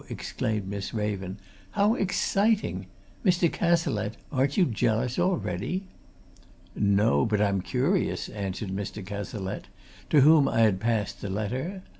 exclaimed Miss Raven. "How exciting! Mr. Cazalette! aren't you jealous already?" "No, but I'm curious," answered Mr. Cazalette, to whom I had passed the letter.